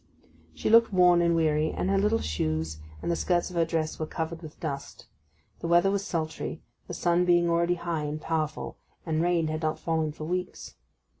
She looked worn and weary, and her little shoes and the skirts of her dress were covered with dust. The weather was sultry, the sun being already high and powerful, and rain had not fallen for weeks.